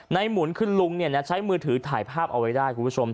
หมุนคือลุงใช้มือถือถ่ายภาพเอาไว้ได้คุณผู้ชม